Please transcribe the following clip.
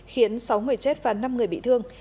khiến sáu người chết và năm người bị thương